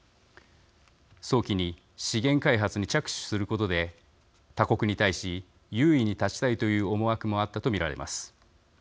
早期に資源開発に着手することで他国に対し優位に立ちたいという思惑もあったと見られます。